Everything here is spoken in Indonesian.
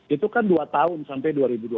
itu kan dua tahun sampai dua ribu dua puluh